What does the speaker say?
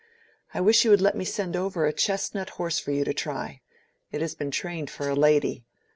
I wish you would let me send over a chestnut horse for you to try. It has been trained for a lady.